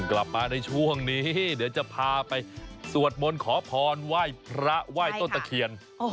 กลับมาในช่วงนี้เดี๋ยวจะพาไปสวดมนต์ขอพรไหว้พระไหว้ต้นตะเคียน